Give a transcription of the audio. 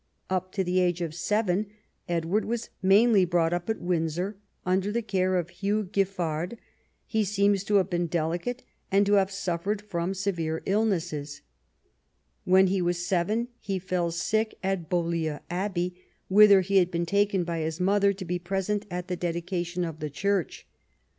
Up to the age of seven Edward was mainly brought up at Windsor under the care of Hugh Giffard. He seems to have been delicate, and to have suffered some severe illnesses. AVhen he was seven he fell sick at Beaulieu Abbey, whither he had been taken by his mother to be present at the dedication of the church.